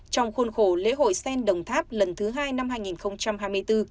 trong khuôn khổ lễ hội sen đồng tháp lần thứ hai năm hai nghìn hai mươi bốn